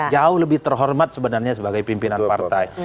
jauh lebih terhormat sebenarnya sebagai pimpinan partai